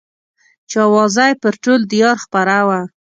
چې اوازه يې پر ټول ديار خپره وه.